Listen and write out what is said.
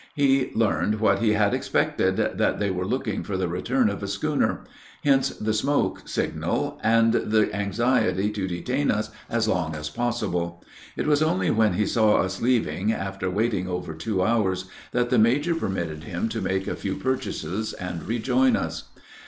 He learned what he had expected, that they were looking for the return of a schooner; hence the smoke signal, and the anxiety to detain us as long as possible. It was only when he saw us leaving, after waiting over two hours, that the major permitted him to make a few purchases and rejoin us.